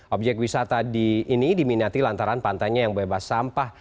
objek wisata di ini diminati lantaran pantainya yang bebas sampah